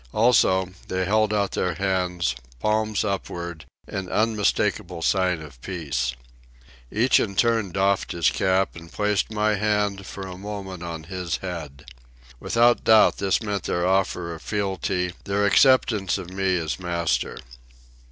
Also, they held out their hands, palms upward, in unmistakable sign of peace. Each in turn doffed his cap and placed my hand for a moment on his head. Without doubt this meant their offer of fealty, their acceptance of me as master.